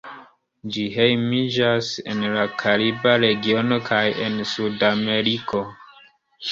Ĝi hejmiĝas en la kariba regiono kaj en Sudameriko.